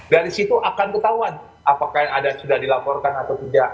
dari situ akan ketahuan apakah yang ada sudah dilaporkan atau tidak